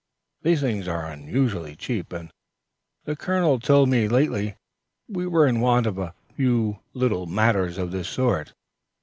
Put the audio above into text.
These things are unusually cheap, and the colonel told me lately we were in want of a few little matters of this sort."